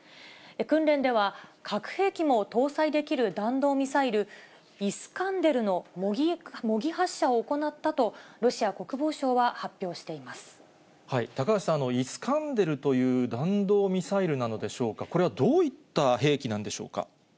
訓練では核兵器も搭載できる弾道ミサイル、イスカンデルの模擬発射を行ったと、ロシア国防省は発表していま高橋さん、イスカンデルという弾道ミサイルなのでしょうか、これはどういった兵器なんでしょうか。